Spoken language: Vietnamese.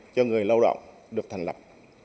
cho người lao động được thành lập